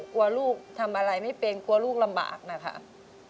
กลัวลูกทำอะไรไม่เป็นกลัวลูกลำบากนะคะ